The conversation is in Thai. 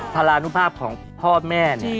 รานุภาพของพ่อแม่เนี่ย